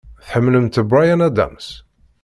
Tḥemmlemt Bryan Adams?